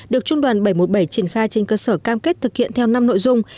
được trung đoàn bảy trăm một mươi bảy triển khai trên cơ sở cam kết thực hiện theo năm nội dung